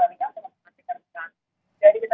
yaitu jalur menuju ke arah jalan tengah